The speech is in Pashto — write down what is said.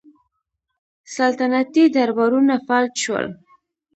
سلطنتي دربارونه فلج شول.